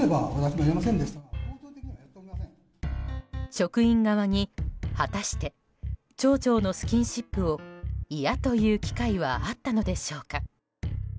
職員側に果たして町長のスキンシップを嫌と言う機会はあったのでしょうか。